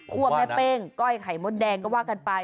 แม่เป้งก้อยไข่มดแดงก็ว่ากันไป